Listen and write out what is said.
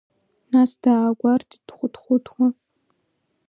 Нас даагәарҭеит дхәыҭхәыҭуа!